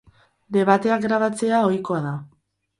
Debateak grabatzea ohikoa da.